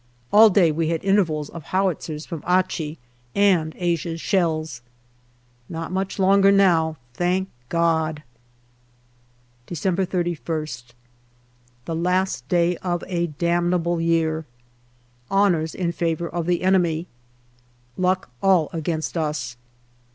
All day we had intervals of howitzers from Achi and Asia's shells. Not much longer now, thank God ! December 3lst. The last day of a damnable year. Honours in favour of the enemy. Luck all against us.